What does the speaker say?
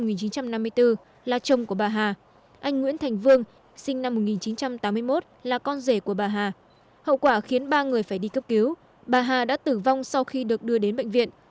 ông hồng là chồng của bà hà anh nguyễn thành vương sinh năm một nghìn chín trăm tám mươi một là con rể của bà hà hậu quả khiến ba người phải đi cấp cứu bà hà đã tử vong sau khi được đưa đến bệnh viện